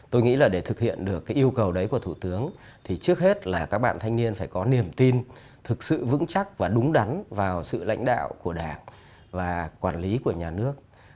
tôi nghĩ là để thực hiện được cái yêu cầu đấy của thủ tướng thì trước hết là các bạn thanh niên phải có niềm tin thực sự vững chắc và đúng đắn vào sự lãnh đạo của đảng và quản lý của nhà nước